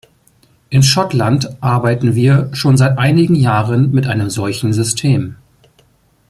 In Schottland arbeiten wir schon seit einigen Jahren mit einem solchen System.